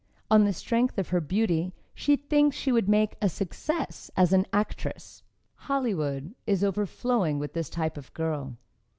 On the strength of her beauty she thinks she would make a success as an actress. (Hollywood is overflowing with this type of girl.)